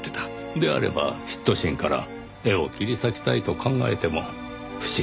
であれば嫉妬心から絵を切り裂きたいと考えても不思議はありませんねぇ。